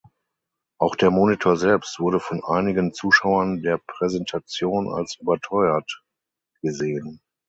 Auch der Monitor selbst wurde von einigen Zuschauern der Präsentation als überteuert gesehen.